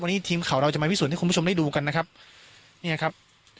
วันนี้ทีมข่าวเราจะมาพิสูจน์ให้คุณผู้ชมได้ดูกันนะครับเนี่ยครับ